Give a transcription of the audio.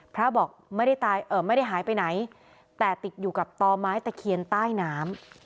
พระบอกไม่ได้หายไปไหนแต่ติดอยู่กับต่อไม้ตะเคียนใต้น้ำ